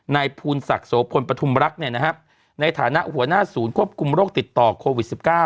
ภูลศักดิ์โสพลปฐุมรักษ์ในฐานะหัวหน้าศูนย์ควบคุมโรคติดต่อโควิด๑๙